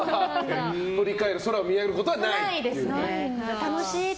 振り返って空を見上げることはないと。